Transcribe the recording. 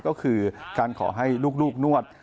ก็คือการขอให้ลูกนวด